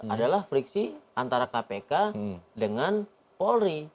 adalah friksi antara kpk dengan polri